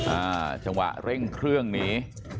อ่าจังหวะเร่งเครื่องหนี